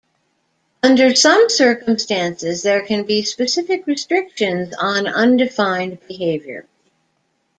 Under some circumstances there can be specific restrictions on undefined behavior.